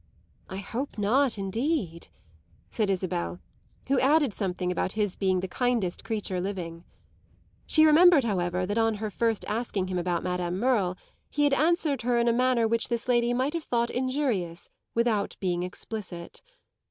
"I hope not indeed," said Isabel, who added something about his being the kindest creature living. She remembered, however, that on her first asking him about Madame Merle he had answered her in a manner which this lady might have thought injurious without being explicit.